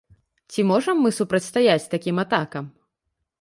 Ці можам мы супрацьстаяць такім атакам?